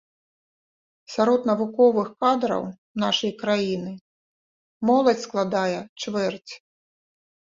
Сярод навуковых кадраў нашай краіны моладзь складае чвэрць.